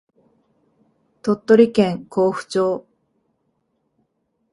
鳥取県江府町